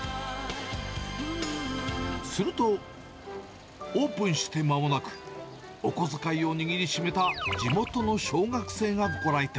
すると、オープンしてまもなく、お小遣いを握りしめた地元の小学生がご来店。